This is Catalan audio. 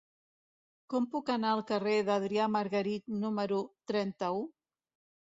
Com puc anar al carrer d'Adrià Margarit número trenta-u?